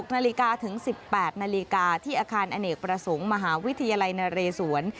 นาฬิกาถึง๑๘นาฬิกาที่อาคารอเนกประสงค์มหาวิทยาลัยนเรศวร